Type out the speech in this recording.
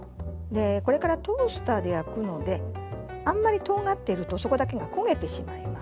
これからトースターで焼くのであんまりとんがっているとそこだけが焦げてしまいます。